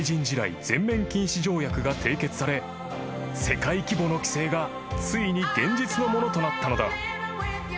地雷全面禁止条約が締結され世界規模の規制がついに現実のものとなったのだ］